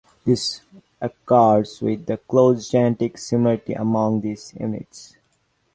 This accords with the close genetic similarity among these units.